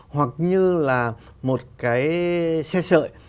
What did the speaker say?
hoặc như là một cái xe sợi